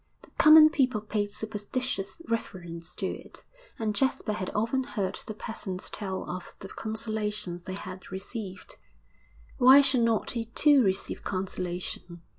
The common people paid superstitious reverence to it, and Jasper had often heard the peasants tell of the consolations they had received. Why should not he too receive consolation?